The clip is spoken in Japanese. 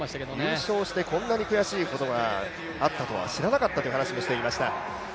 優勝してこんなに悔しいことがあったとは知らなかったという話もしていました。